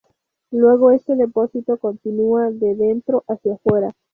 Luego este depósito continúa de dentro hacia fuera.